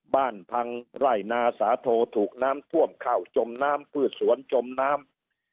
บ้านพังไร่นาสาโทถูกน้ำท่วมเข้าจมน้ำพืชสวนจมน้ำ